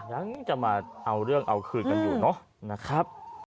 ยังจะมาเอาเรื่องเอาคืนกันอยู่เนอะนะครับ